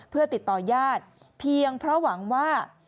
เพื่อติดต่อญาติเพียงเพราะหวังว่า